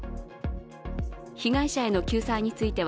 被害者への救済について